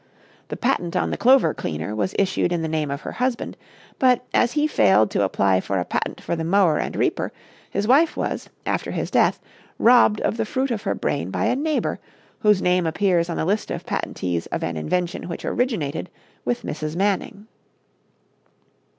The patent on the clover cleaner was issued in the name of her husband; but, as he failed to apply for a patent for the mower and reaper, his wife was, after his death, robbed of the fruit of her brain by a neighbor, whose name appears on the list of patentees of an invention which originated with Mrs. Manning.